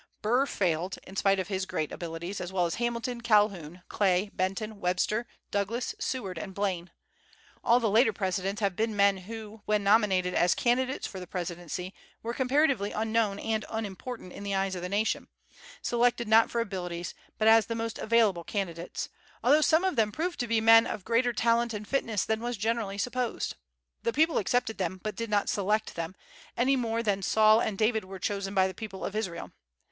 Burr failed, in spite of his great abilities, as well as Hamilton, Calhoun, Clay, Benton, Webster, Douglas, Seward, and Blaine. All the later presidents have been men who when nominated as candidates for the presidency were comparatively unknown and unimportant in the eyes of the nation, selected not for abilities, but as the most "available" candidates; although some of them proved to be men of greater talent and fitness than was generally supposed. The people accepted them, but did not select them, any more than Saul and David were chosen by the people of Israel.